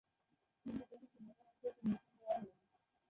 কিন্তু তাকে সেনাবাহিনীতে কমিশন দেওয়া হয়নি।